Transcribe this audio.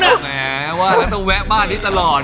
ออกมาแมวฉันนักจะแวะบ้านชีวิตตลอด